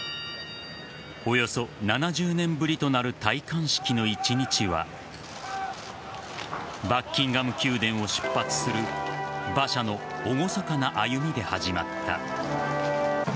およそ７０年ぶりとなる戴冠式の一日はバッキンガム宮殿を出発する馬車の厳かな歩みで始まった。